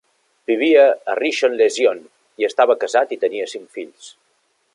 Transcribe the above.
Vivia a Rishon LeZion i estava casat i tenia cinc fills.